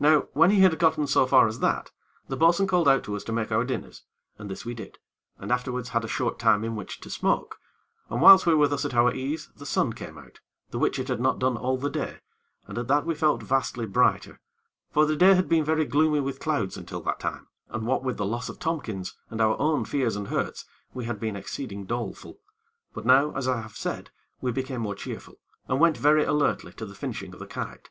Now, when he had gotten so far as that, the bo'sun called out to us to make our dinners, and this we did, and afterwards had a short time in which to smoke, and whilst we were thus at our ease the sun came out, the which it had not done all the day, and at that we felt vastly brighter; for the day had been very gloomy with clouds until that time, and what with the loss of Tompkins, and our own fears and hurts, we had been exceeding doleful, but now, as I have said, we became more cheerful, and went very alertly to the finishing of the kite.